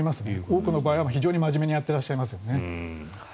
多くの場合は非常に真面目にやってらっしゃいますね。